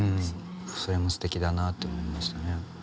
それもすてきだなと思いましたね。